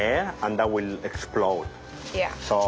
そう。